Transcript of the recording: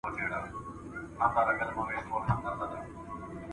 تاسو د خپل راتلونکي لپاره څه پلان لرئ؟